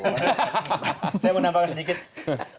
saya mau menambahkan sedikit